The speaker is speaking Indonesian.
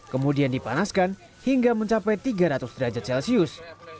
kemudian dipanaskan hingga mencapai tiga ratus derajat celcius